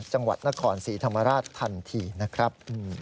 จังหวัดนครศรีธรรมราชทันทีนะครับ